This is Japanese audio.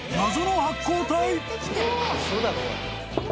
謎の発光体？